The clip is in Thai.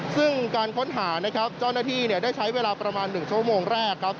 ซึ่งการค้นหานะครับเจ้าหน้าที่ได้ใช้เวลาประมาณ๑ชั่วโมงแรกครับ